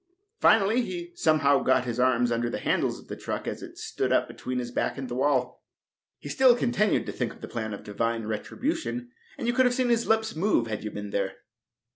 Finally, he somehow got his arms under the handles of the truck as it stood up between his back and the wall. He still continued to think of the plan of Divine Retribution, and you could have seen his lips move if you had been there.